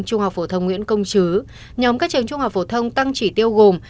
trung học phổ thông nguyễn công chứ nhóm các trường trung học phổ thông tăng chỉ tiêu gồm